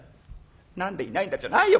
「『何でいないんだ』じゃないよ